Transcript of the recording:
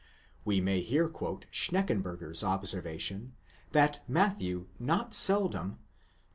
We may here quote Schneck enburger's observation,*! that Matthew not seldom (iii.